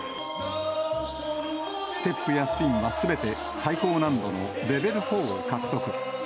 ステップやスピンはすべて最高難度のレベル４を獲得。